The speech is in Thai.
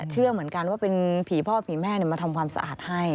เชื่อเหมือนกันว่าเป็นผีพ่อผีแม่มาทำความสะอาดให้